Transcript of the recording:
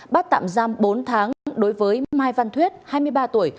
bắt tạm giam bốn tháng đối với mai văn thuyết hai mươi ba tuổi